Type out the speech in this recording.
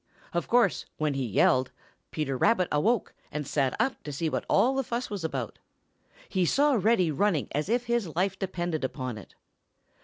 Of course when he yelled, Peter Rabbit awoke and sat up to see what all the fuss was about. He saw Reddy running as if his life depended upon it.